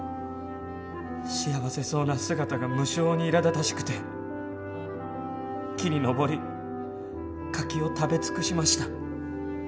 幸せそうな姿が無性にいらだたしくて木に登り柿を食べ尽くしました。